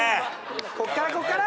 こっからこっから！